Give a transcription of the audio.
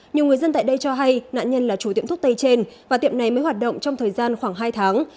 nhiều người dân tại đây cho hay nạn nhân là chủ tiệm thuốc tây trên và tiệm này mới hoạt động trong thời gian khoảng hai tháng